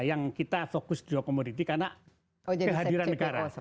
yang kita fokus jual komoditi karena kehadiran negara